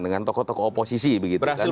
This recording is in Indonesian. dengan tokoh tokoh oposisi berhasil